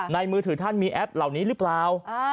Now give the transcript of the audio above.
มือถือท่านมีแอปเหล่านี้หรือเปล่า